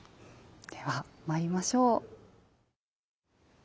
では参りましょう。